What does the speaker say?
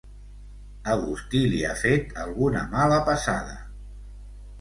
Agustí li ha fet alguna mala passada.